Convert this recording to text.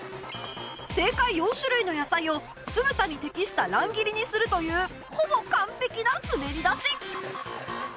正解４種類の野菜を酢豚に適した乱切りにするというほぼ完璧な滑り出し